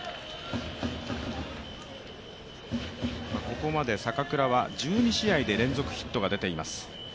ここまで坂倉は１２試合で連続ヒットが出ています。